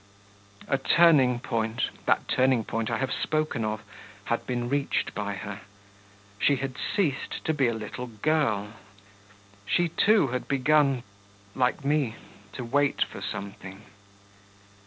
A turning point, that turning point I have spoken of, had been reached by her. She had ceased to be a little girl, she too had begun ... like me ... to wait for something.